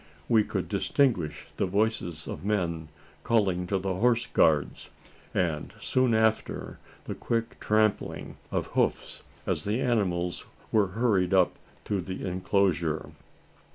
We could distinguish the voices of men calling to the horse guards; and, soon after, the quick trampling of hoofs, as the animals were hurried up to the enclosure.